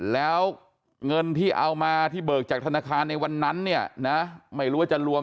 แล้วเงินที่เอามาที่เบิกจากธนาคารกว่าไม่รู้จะรวม